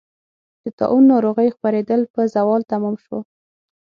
د طاعون ناروغۍ خپرېدل په زوال تمام شو.